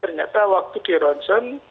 ternyata waktu di ronsen